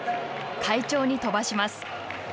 快調に飛ばします。